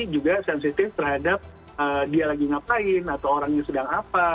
juga sensitif terhadap dia lagi ngapain atau orangnya sedang apa